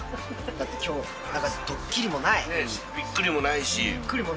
だってきょう、ドッキリもなびっくりもない。